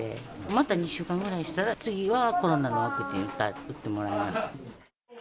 また２週間ぐらいしたら、次はコロナのワクチンを打ってもらいます。